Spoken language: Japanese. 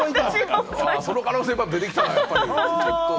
その可能性が出てきたらやっぱり。